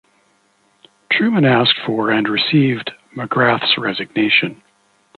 Truman asked for and received McGrath's resignation.